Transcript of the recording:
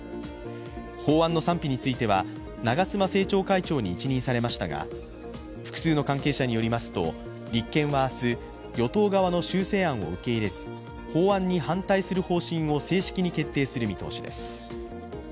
法案の賛否については長妻政調会長に一任されましたが複数の関係者によりますと立憲は明日、与党側の修正案を受け入れず法案に反対する方針を正式に決定する見通しです。